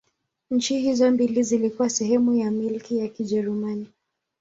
Nchi hizo mbili zilikuwa sehemu ya Milki ya Kijerumani.